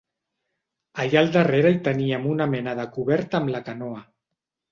Allà al darrere hi teníem una mena de cobert amb la canoa.